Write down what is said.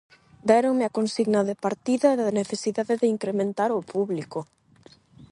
Déronme a consigna de partida da necesidade de incrementar o público.